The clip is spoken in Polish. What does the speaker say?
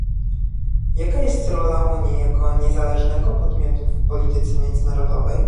jaka jest rola Unii jako niezależnego podmiotu w polityce międzynarodowej?